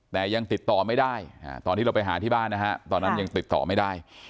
แต่ยังติดต่อไม่ได้ตอนที่เราไปหาที่บ้านนะฮะตอนนั้นยังติดต่อไม่ได้